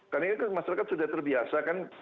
karena ini masyarakat sudah terbiasa kan